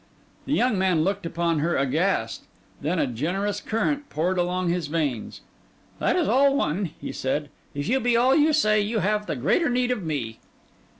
The young man looked upon her aghast. Then a generous current poured along his veins. 'That is all one,' he said. 'If you be all you say, you have the greater need of me.